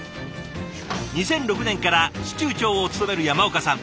２００６年から司厨長を務める山岡さん。